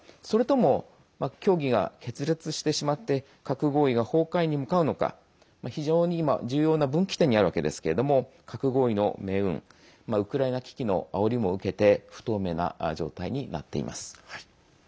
それとも協議が決裂してしまって核合意が崩壊に向かうのか非常に今、重要な分岐点にあるわけですけれども核合意の命運ウクライナ危機のあおりも受けて不透明な状態になっています。